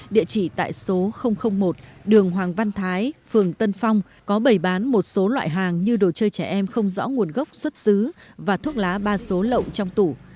địa chỉ tại số một đường hoàng văn thái phường tân phong có bày bán một số loại hàng như đồ chơi trẻ em không rõ nguồn gốc xuất xứ và thuốc lá ba số lộn trong tủ